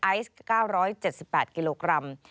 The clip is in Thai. ไอซ์๙๗๘กิโลกรัม